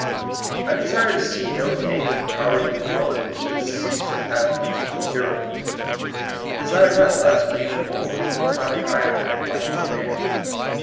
I desire 86 THE COMING PEOPLE. to see no tame and cowardly world which has ceased to have a use for the heroes. I desire not less, but even more, of the tonic iron in the life of man.